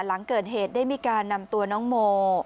หลังเกิดเหตุได้มีการนำตัวน้องโม